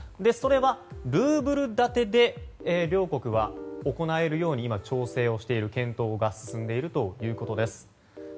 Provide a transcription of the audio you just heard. それはルーブル建てで両国は行えるように今、調整をしている検討が進んでいるということです。